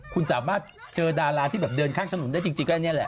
คุณสามารถเจอดาราที่แบบเดินข้างขนวนที่ได้จริงก็อันนี้แหละก็อันนี้แหละ